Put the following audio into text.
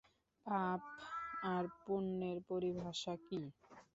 পাপ আর পুন্যের পরিভাষা কি?